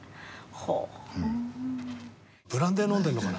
ブランデー飲んでるのかな？